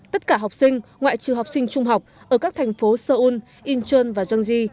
tất cả học sinh ngoại trừ học sinh trung học ở các thành phố seoul incheon và jeonggi